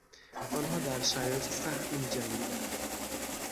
آنها در شرایط سختی میجنگیدند.